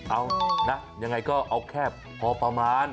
เอานะยังไงก็เอาแค่พอประมาณ